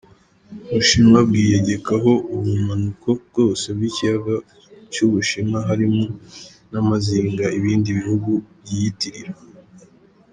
Ubushinwa bwiyegekako ubumanuko bwose bw'ikiyaga c'Ubushinwa harimwo n'amazinga ibindi bihugu vyiyitirira.